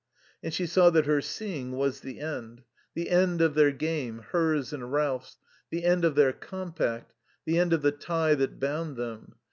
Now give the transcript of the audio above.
And she saw that her seeing was the end the end of their game, hers and Ralph's, the end of their compact, the end of the tie that bound them.